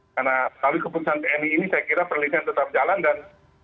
karena melalui keputusan tni ini saya kira penelitian tetap jalan dan